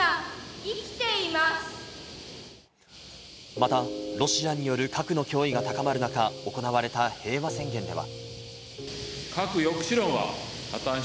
また、ロシアによる核の脅威が高まる中、行われた平和宣言では。